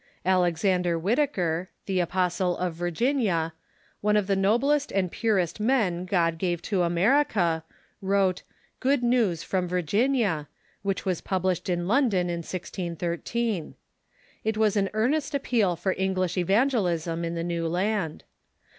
Alexander Whitaker, " the Apostle of Virginia," one of the noblest and purest men God gave to America, wrote "Good News from Virginia," which was published in London in 1613. It was an earnest appeal for English evangelism in the new land.